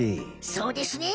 そうですね